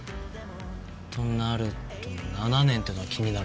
となると７年ってのは気になるな。